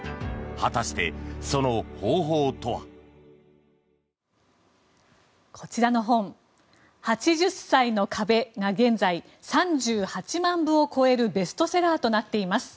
果たして、その方法とは。こちらの本「８０歳の壁」が現在３８万部を超えるベストセラーとなっています。